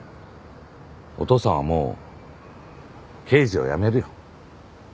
お父さんはもう刑事を辞めるよ。